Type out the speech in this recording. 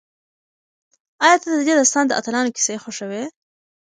ایا ته د دې داستان د اتلانو کیسې خوښوې؟